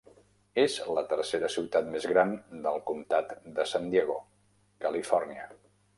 És la tercera ciutat més gran del comtat de San Diego, Califòrnia.